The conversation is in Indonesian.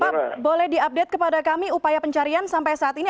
pak boleh diupdate kepada kami upaya pencarian sampai saat ini